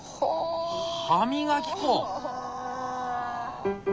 歯磨き粉！